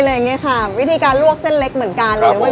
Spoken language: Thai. อะไรอย่างเงี้ยค่ะวิธีการลวกเส้นเล็กเหมือนกันเลย